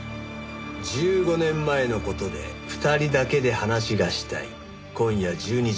「１５年前のことで二人だけで話がしたい」「今夜１２時。